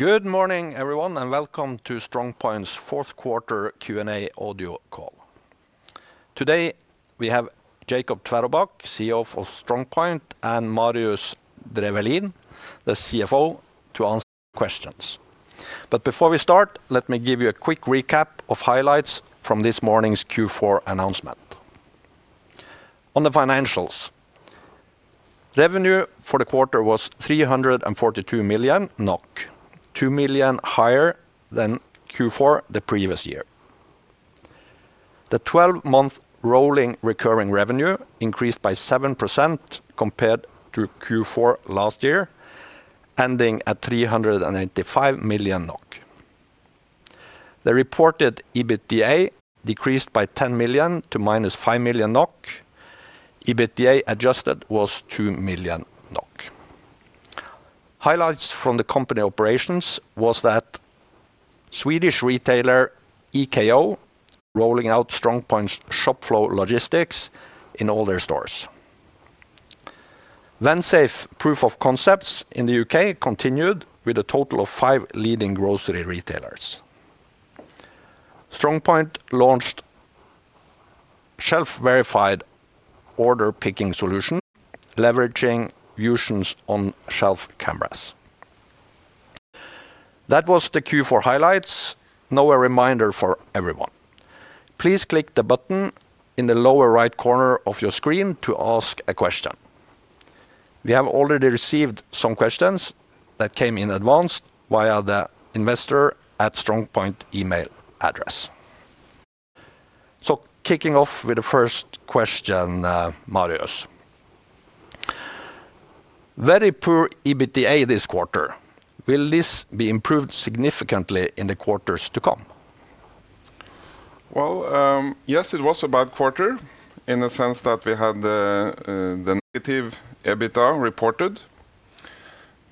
Good morning, everyone, and welcome to StrongPoint's fourth quarter Q&A audio call. Today, we have Jacob Tveraabak, CEO of StrongPoint, and Marius Drefvelin, the CFO, to answer questions. But before we start, let me give you a quick recap of highlights from this morning's Q4 announcement. On the financials, revenue for the quarter was 342 million NOK, 2 million higher than Q4 the previous year. The 12-month rolling recurring revenue increased by 7% compared to Q4 last year, ending at 385 million NOK. The reported EBITDA decreased by 10 million to -5 million NOK. EBITDA adjusted was 2 million NOK. Highlights from the company operations was that Swedish retailer Eko, rolling out StrongPoint's ShopFlow Logistics in all their stores. Vensafe proof of concepts in the U.K. continued with a total of five leading grocery retailers. StrongPoint launched Shelf-Verified Order Picking solution, leveraging Vusion's on-shelf cameras. That was the Q4 highlights. Now, a reminder for everyone. Please click the button in the lower right corner of your screen to ask a question. We have already received some questions that came in advance via the investor at StrongPoint email address. So kicking off with the first question, Marius. Very poor EBITDA this quarter. Will this be improved significantly in the quarters to come? Well, yes, it was a bad quarter in the sense that we had the negative EBITDA reported.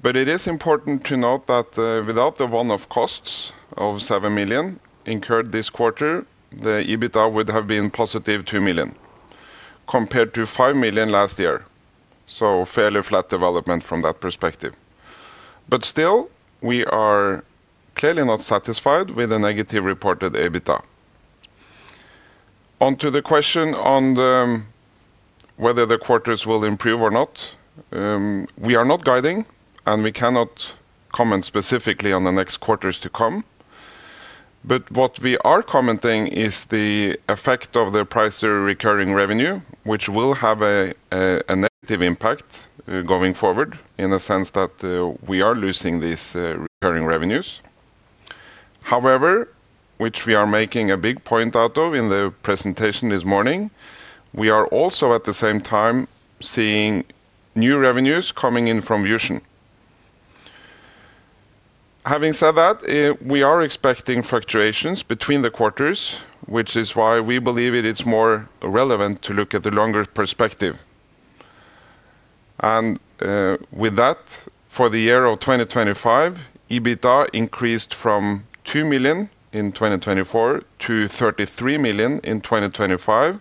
But it is important to note that without the one-off costs of 7 million incurred this quarter, the EBITDA would have been +2 million, compared to 5 million last year. So fairly flat development from that perspective. But still, we are clearly not satisfied with the negative reported EBITDA. On to the question on whether the quarters will improve or not. We are not guiding, and we cannot comment specifically on the next quarters to come. But what we are commenting is the effect of the Pricer recurring revenue, which will have a negative impact going forward, in the sense that we are losing these recurring revenues. However, which we are making a big point out of in the presentation this morning, we are also at the same time seeing new revenues coming in from VusionGroup. Having said that, we are expecting fluctuations between the quarters, which is why we believe it is more relevant to look at the longer perspective. With that, for the year of 2025, EBITDA increased from 2 million in 2024 to 33 million in 2025,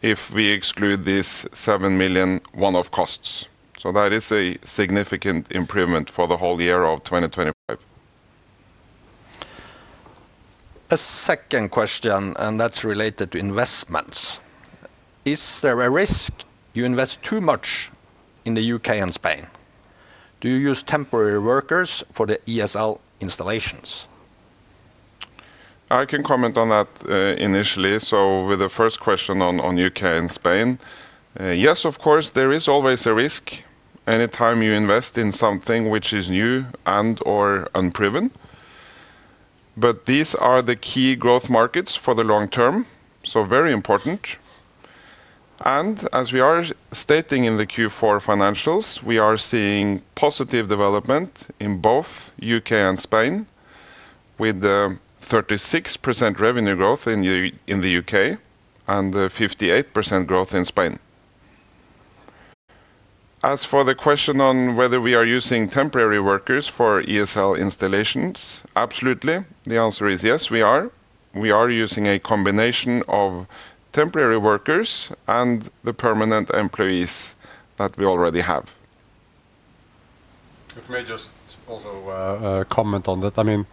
if we exclude these 7 million one-off costs. That is a significant improvement for the whole year of 2025. A second question, and that's related to investments. Is there a risk you invest too much in the U.K. and Spain? Do you use temporary workers for the ESL installations? I can comment on that, initially. So with the first question on UK and Spain, yes, of course, there is always a risk anytime you invest in something which is new and/or unproven. But these are the key growth markets for the long term, so very important. And as we are stating in the Q4 financials, we are seeing positive development in both UK and Spain, with 36% revenue growth in the UK and a 58% growth in Spain. As for the question on whether we are using temporary workers for ESL installations, absolutely. The answer is yes, we are. We are using a combination of temporary workers and the permanent employees that we already have. If I may just also comment on that. I mean,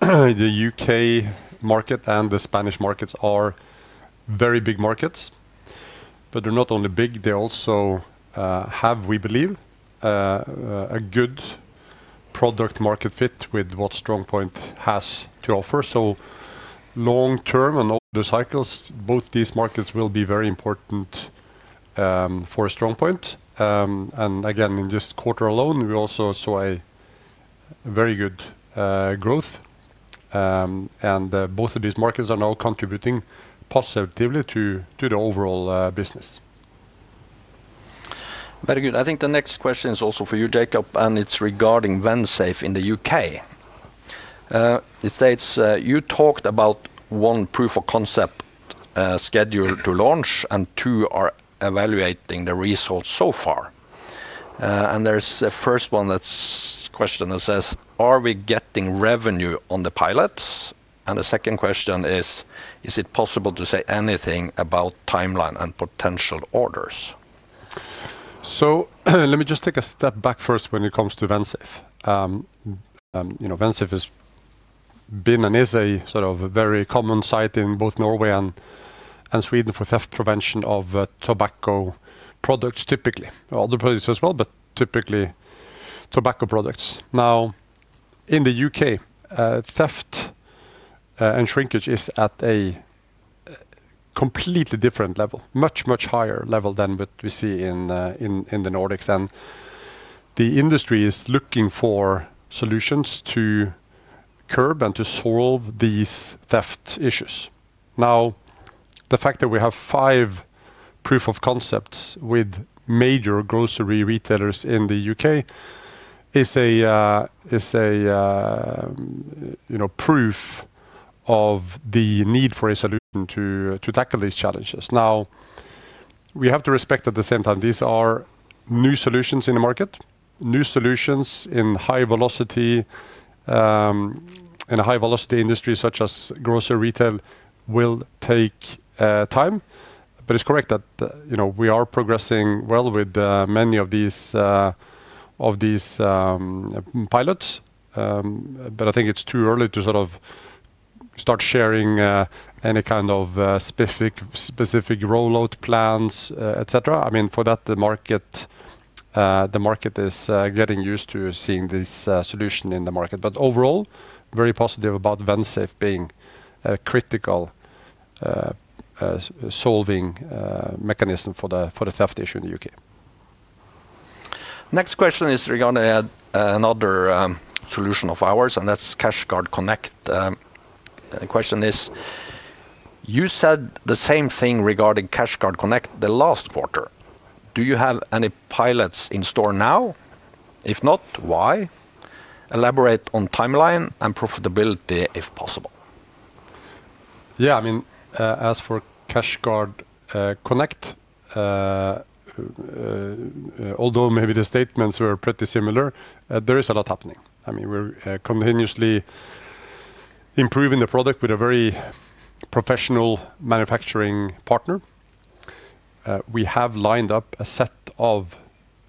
the U.K. market and the Spanish markets are very big markets, but they're not only big, they also have, we believe, a good product market fit with what StrongPoint has to offer. So long term and all the cycles, both these markets will be very important for StrongPoint. And again, in this quarter alone, we also saw a very good growth. And both of these markets are now contributing positively to the overall business. Very good. I think the next question is also for you, Jacob, and it's regarding Vensafe in the UK. It states, you talked about one proof of concept, scheduled to launch, and two are evaluating the results so far. There's a first question that says: Are we getting revenue on the pilots? And the second question is: Is it possible to say anything about timeline and potential orders? So let me just take a step back first when it comes to Vensafe. You know, Vensafe has been and is a sort of a very common sight in both Norway and Sweden for theft prevention of tobacco products, typically. Other products as well, but typically tobacco products. Now, in the UK, theft and shrinkage is at a completely different level. Much, much higher level than what we see in the Nordics. And the industry is looking for solutions to curb and to solve these theft issues. Now, the fact that we have five proof of concepts with major grocery retailers in the UK is a, you know, proof of the need for a solution to tackle these challenges. Now, we have to respect at the same time, these are new solutions in the market. New solutions in high velocity, in a high velocity industry such as grocery retail, will take, time. But it's correct that, you know, we are progressing well with, many of these, of these, pilots. But I think it's too early to sort of start sharing, any kind of, specific, specific roll-out plans, et cetera. I mean, for that, the market, the market is, getting used to seeing this, solution in the market. But overall, very positive about Vensafe being a critical, solving, mechanism for the, for the theft issue in the UK. Next question is regarding another solution of ours, and that's CashGuard Connect. The question is: You said the same thing regarding CashGuard Connect the last quarter. Do you have any pilots in store now? If not, why? Elaborate on timeline and profitability, if possible. Yeah, I mean, as for CashGuard Connect, although maybe the statements were pretty similar, there is a lot happening. I mean, we're continuously improving the product with a very professional manufacturing partner. We have lined up a set of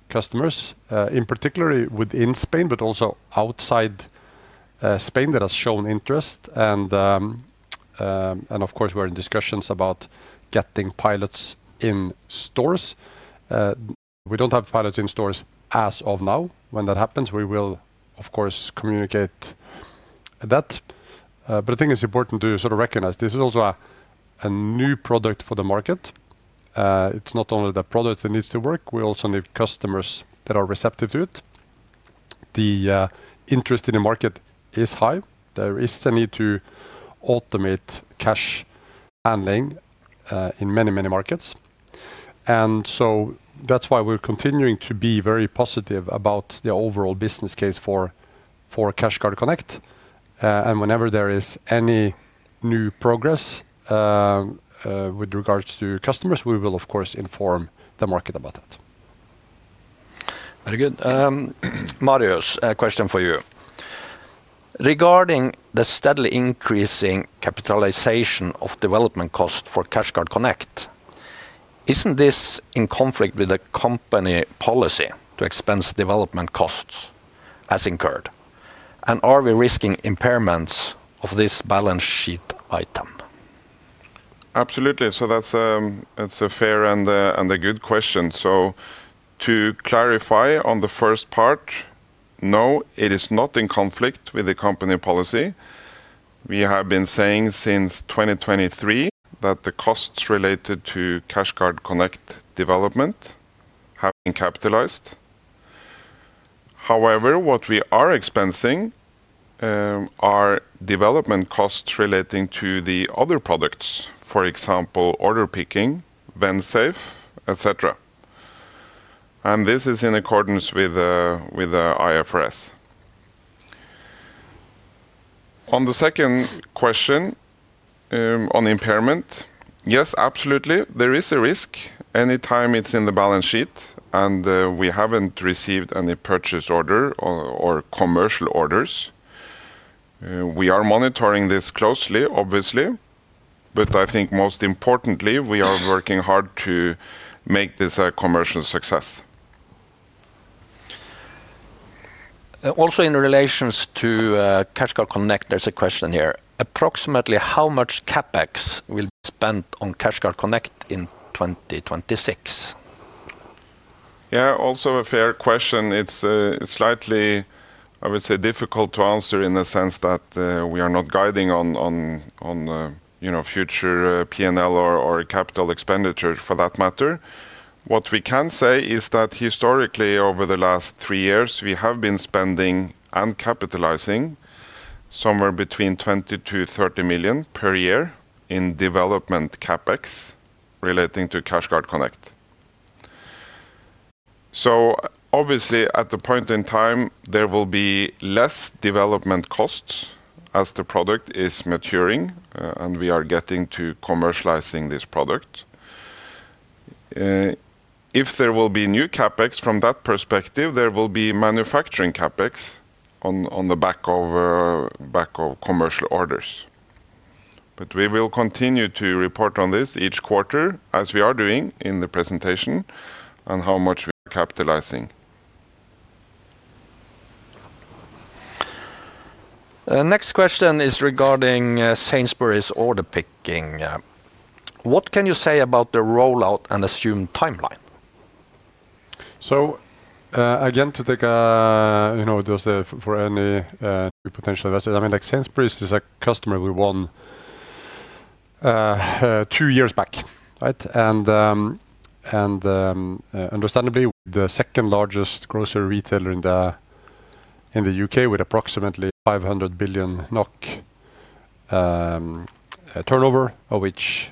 customers, in particular within Spain, but also outside Spain, that has shown interest. And of course, we're in discussions about getting pilots in stores. We don't have pilots in stores as of now. When that happens, we will, of course, communicate that. But I think it's important to sort of recognize this is also a new product for the market. It's not only the product that needs to work, we also need customers that are receptive to it. The interest in the market is high. There is a need to automate cash handling in many, many markets. And so that's why we're continuing to be very positive about the overall business case for, for CashGuard Connect. And whenever there is any new progress with regards to customers, we will of course inform the market about that. Very good. Marius, a question for you. Regarding the steadily increasing capitalization of development cost for CashGuard Connect, isn't this in conflict with the company policy to expense development costs as incurred? And are we risking impairments of this balance sheet item? Absolutely. So that's a fair and good question. So to clarify on the first part, no, it is not in conflict with the company policy. We have been saying since 2023 that the costs related to CashGuard Connect development have been capitalized. However, what we are expensing are development costs relating to the other products. For example, Order Picking, Vensafe, et cetera. And this is in accordance with IFRS. On the second question, on impairment, yes, absolutely, there is a risk anytime it's in the balance sheet, and we haven't received any purchase order or commercial orders. We are monitoring this closely, obviously, but I think most importantly, we are working hard to make this a commercial success. Also in relation to CashGuard Connect, there's a question here. Approximately how much CapEx will be spent on CashGuard Connect in 2026? Yeah, also a fair question. It's slightly, I would say, difficult to answer in the sense that we are not guiding on, you know, future P&L or capital expenditure for that matter. What we can say is that historically, over the last three years, we have been spending and capitalizing somewhere between 20-30 million per year in development CapEx relating to CashGuard Connect. So obviously, at the point in time, there will be less development costs as the product is maturing and we are getting to commercializing this product. If there will be new CapEx from that perspective, there will be manufacturing CapEx on the back of commercial orders. But we will continue to report on this each quarter, as we are doing in the presentation, on how much we are capitalizing. Next question is regarding Sainsbury's order picking. What can you say about the rollout and assumed timeline? Again, to take you know just for any potential investor, I mean, like, Sainsbury's is a customer we won 2 years back, right? And understandably, the second-largest grocery retailer in the U.K., with approximately 500 billion NOK turnover, of which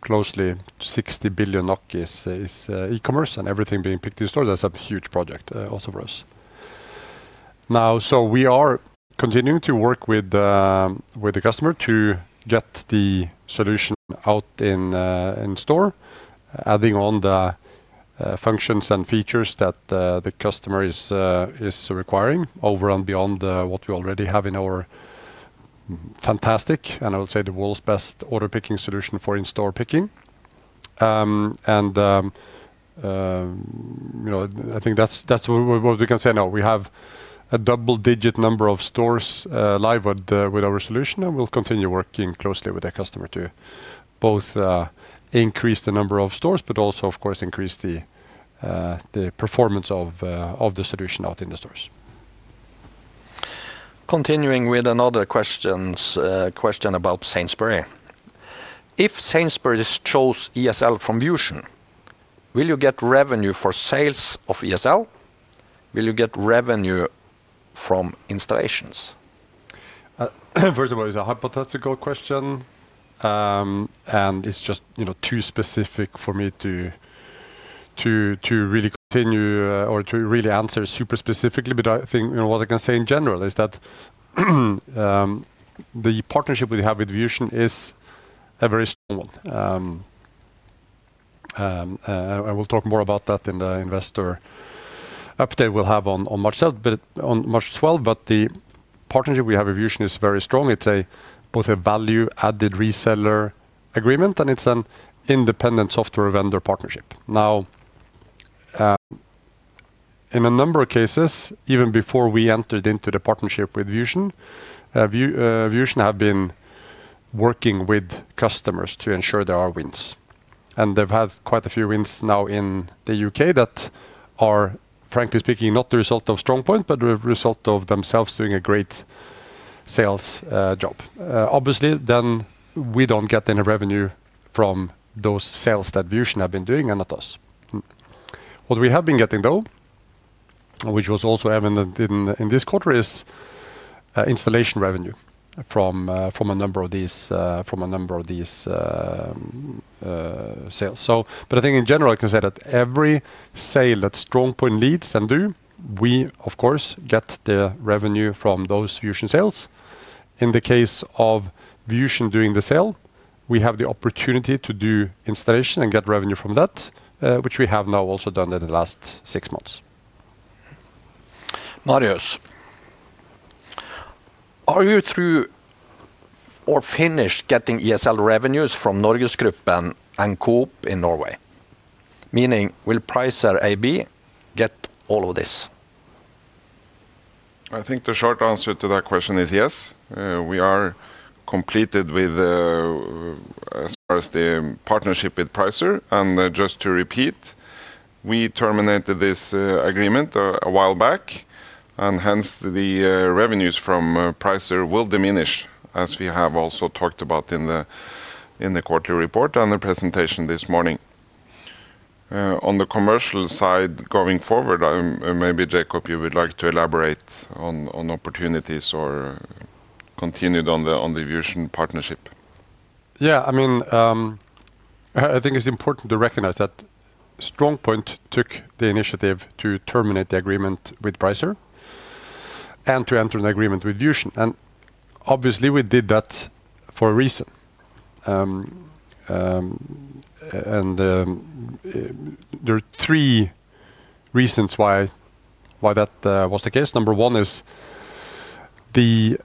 closely 60 billion NOK is e-commerce and everything being picked in store. That's a huge project, also for us. Now, we are continuing to work with the customer to get the solution out in store, adding on the functions and features that the customer is requiring over and beyond what we already have in our fantastic, and I would say the world's best, order picking solution for in-store picking. You know, I think that's what we can say now. We have a double-digit number of stores live with our solution, and we'll continue working closely with the customer to both increase the number of stores, but also, of course, increase the performance of the solution out in the stores. Continuing with another question about Sainsbury's. If Sainsbury's chose ESL from VusionGroup, will you get revenue for sales of ESL? Will you get revenue from installations? First of all, it's a hypothetical question, and it's just, you know, too specific for me to, to, to really continue, or to really answer super specifically. But I think, you know, what I can say in general is that, the partnership we have with Vusion is a very strong one. And we'll talk more about that in the investor update we'll have on, on March 7th. On March 12th. But the partnership we have with Vusion is very strong. It's both a value-added reseller agreement, and it's an independent software vendor partnership. Now, in a number of cases, even before we entered into the partnership with Vusion, Vusion have been working with customers to ensure there are wins. They've had quite a few wins now in the UK that are, frankly speaking, not the result of StrongPoint, but the result of themselves doing a great sales job. Obviously, then, we don't get any revenue from those sales that Vusion have been doing, and not us. What we have been getting, though, which was also evident in this quarter, is installation revenue from a number of these sales. But I think in general, I can say that every sale that StrongPoint leads and do, we, of course, get the revenue from those Vusion sales. In the case of Vusion doing the sale, we have the opportunity to do installation and get revenue from that, which we have now also done in the last six months. Marius, are you through or finished getting ESL revenues from NorgesGruppen and Coop in Norway? Meaning, will Pricer AB get all of this? I think the short answer to that question is yes. We are completed with, as far as the partnership with Pricer, and, just to repeat, we terminated this agreement a while back, and hence, the revenues from Pricer will diminish, as we have also talked about in the quarterly report and the presentation this morning. On the commercial side, going forward, maybe, Jacob, you would like to elaborate on opportunities or continued on the Vusion partnership. Yeah, I mean, I think it's important to recognize that StrongPoint took the initiative to terminate the agreement with Pricer and to enter an agreement with Vusion, and obviously, we did that for a reason. And there are three reasons why that was the case. Number one is the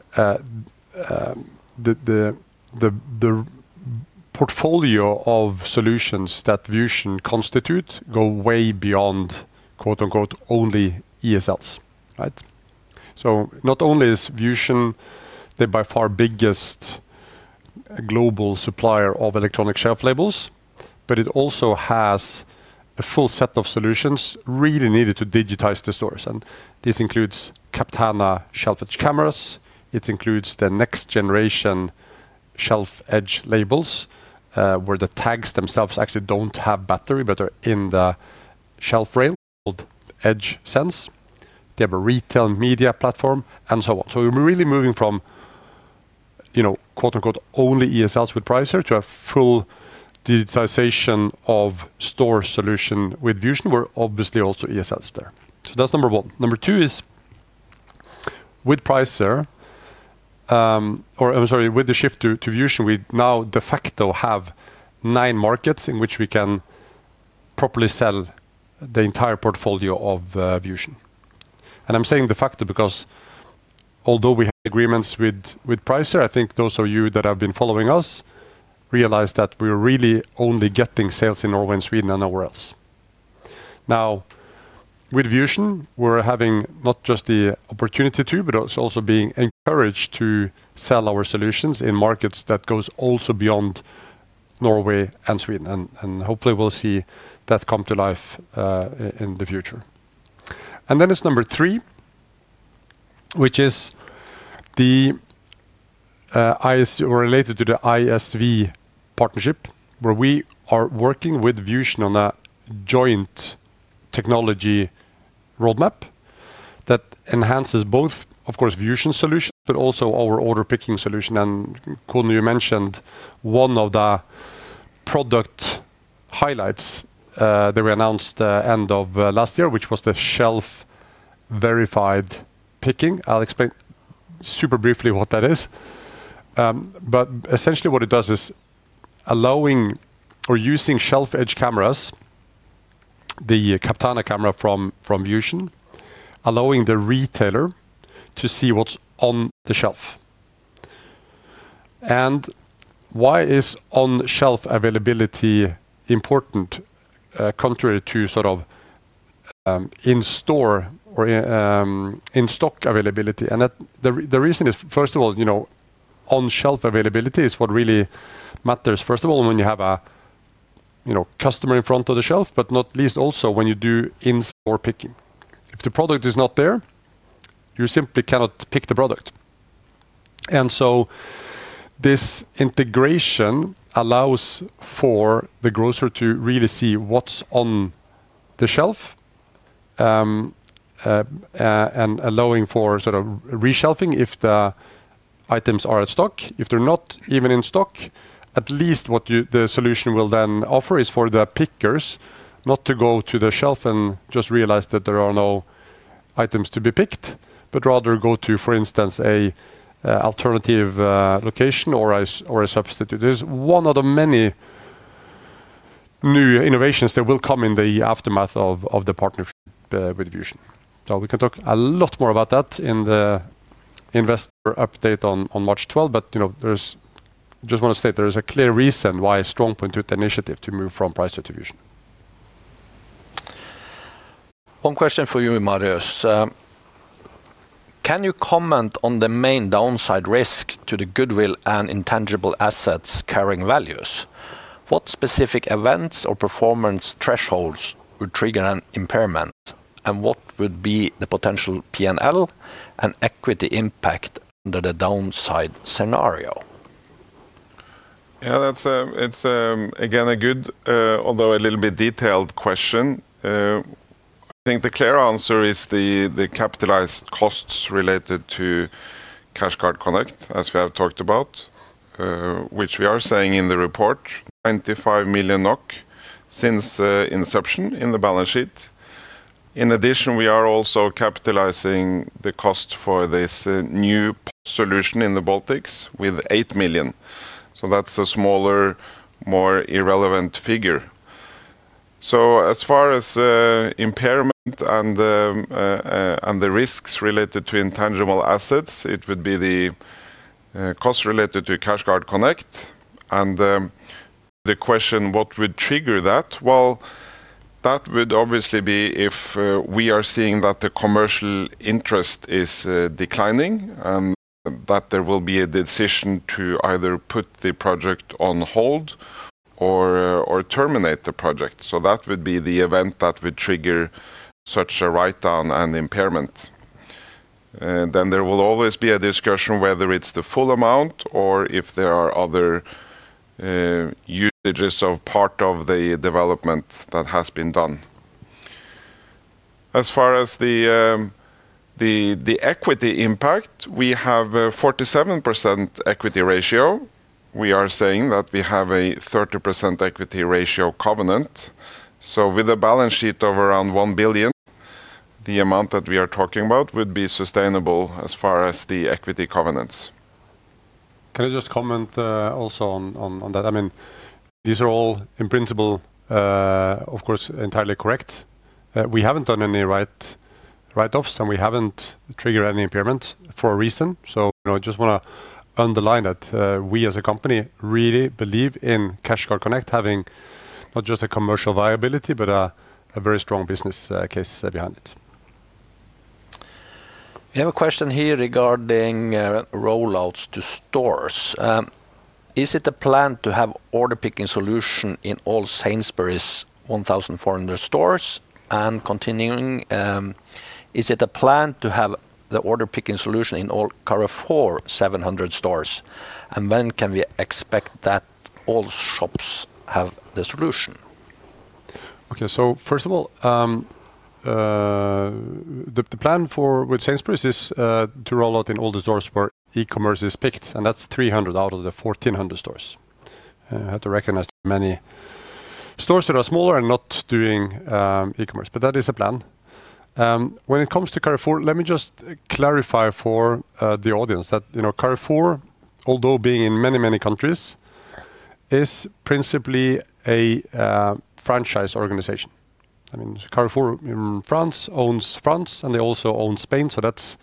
portfolio of solutions that Vusion constitute go way beyond, quote, unquote, "Only ESLs," right? So not only is Vusion the by far biggest global supplier of electronic shelf labels, but it also has a full set of solutions really needed to digitize the stores, and this includes Captana shelf edge cameras. It includes the next-generation shelf edge labels, where the tags themselves actually don't have battery, but are in the shelf rail, called EdgeSense. They have a retail media platform, and so on. So we're really moving from, you know, quote, unquote, "Only ESLs with Pricer," to a full digitization of store solution with Vusion, where obviously also ESL is there. So that's number one. Number two is, with Pricer, or I'm sorry, with the shift to Vusion, we now de facto have nine markets in which we can properly sell the entire portfolio of Vusion. And I'm saying de facto because although we have agreements with Pricer, I think those of you that have been following us realize that we're really only getting sales in Norway and Sweden and nowhere else. Now, with Vusion, we're having not just the opportunity to, but also being encouraged to sell our solutions in markets that goes also beyond Norway and Sweden, and hopefully we'll see that come to life, in the future. And then there's number three, which is the ISV partnership, where we are working with Vusion on a joint technology roadmap that enhances both, of course, Vusion Solutions, but also our order picking solution. And Kunle, you mentioned one of the product highlights that we announced end of last year, which was the shelf-verified picking. I'll explain super briefly what that is. But essentially, what it does is allowing or using shelf-edge cameras, the Captana camera from Vision, allowing the retailer to see what's on the shelf. And why is on-shelf availability important, contrary to sort of in-store or in-stock availability? And that, the reason is, first of all, you know, on-shelf availability is what really matters. First of all, when you have a you know customer in front of the shelf, but not least also when you do in-store picking. If the product is not there, you simply cannot pick the product. And so this integration allows for the grocer to really see what's on the shelf, and allowing for sort of reshelving if the items are in stock. If they're not even in stock, at least what the solution will then offer is for the pickers not to go to the shelf and just realize that there are no items to be picked, but rather go to, for instance, an alternative location or a substitute. This is one of the many new innovations that will come in the aftermath of the partnership with Vusion. So we can talk a lot more about that in the investor update on March twelfth. But, you know, there's. I just wanna state, there is a clear reason why StrongPoint took the initiative to move from Pricer to VusionGroup. One question for you, Marius. Can you comment on the main downside risks to the goodwill and intangible assets carrying values? What specific events or performance thresholds would trigger an impairment, and what would be the potential P&L and equity impact under the downside scenario? Yeah, that's, it's, again, a good, although a little bit detailed question. I think the clear answer is the, the capitalized costs related to CashGuard Connect, as we have talked about, which we are saying in the report, 95 million NOK since inception in the balance sheet. In addition, we are also capitalizing the cost for this, new solution in the Baltics with 8 million. So that's a smaller, more irrelevant figure. So as far as, impairment and the, and the risks related to intangible assets, it would be the, costs related to CashGuard Connect. And, the question, what would trigger that? Well, that would obviously be if, we are seeing that the commercial interest is, declining, and that there will be a decision to either put the project on hold or, terminate the project. So that would be the event that would trigger such a write-down and impairment. Then there will always be a discussion whether it's the full amount or if there are other, usages of part of the development that has been done. As far as the equity impact, we have a 47% equity ratio. We are saying that we have a 30% equity ratio covenant. With a balance sheet of around 1 billion, the amount that we are talking about would be sustainable as far as the equity covenants. Can I just comment also on that? I mean, these are all, in principle, of course, entirely correct. We haven't done any write-offs, and we haven't triggered any impairment for a reason. So, you know, I just wanna underline that, we as a company really believe in CashGuard Connect having not just a commercial viability, but a very strong business case behind it. We have a question here regarding rollouts to stores. Is it a plan to have order picking solution in all Sainsbury's 1,400 stores? And continuing, is it a plan to have the order picking solution in all Carrefour 700 stores, and when can we expect that all shops have the solution? Okay. So first of all, the plan for with Sainsbury's is to roll out in all the stores where e-commerce is picked, and that's 300 out of the 1,400 stores. I have to recognize there are many stores that are smaller and not doing e-commerce, but that is the plan. When it comes to Carrefour, let me just clarify for the audience that, you know, Carrefour, although being in many, many countries, is principally a franchise organization. I mean, Carrefour in France owns France, and they also own Spain, so that's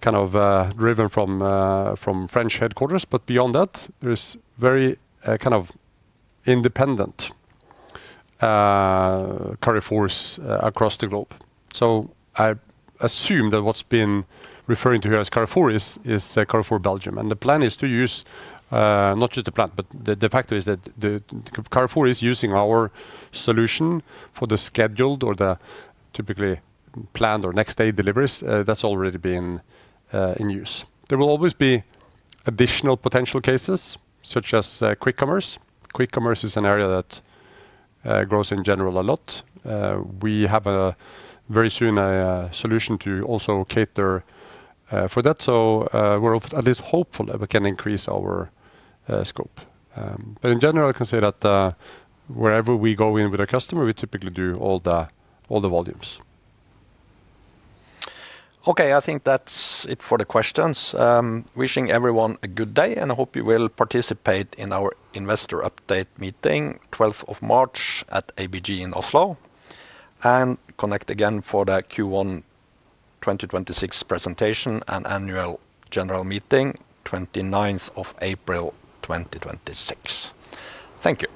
kind of driven from French headquarters. But beyond that, there is very kind of independent Carrefours across the globe. So I assume that what's been referring to here as Carrefour is Carrefour Belgium, and the plan is to use. Not just the plan, but the fact is that Carrefour is using our solution for the scheduled or the typically planned or next day deliveries. That's already been in use. There will always be additional potential cases, such as quick commerce. Quick commerce is an area that grows in general a lot. We have, very soon, a solution to also cater for that. So, we're at least hopeful that we can increase our scope. But in general, I can say that, wherever we go in with a customer, we typically do all the volumes. Okay, I think that's it for the questions. Wishing everyone a good day, and I hope you will participate in our investor update meeting, twelfth of March at ABG in Oslo, and connect again for the Q1 2026 presentation and annual general meeting, twenty-ninth of April 2026. Thank you.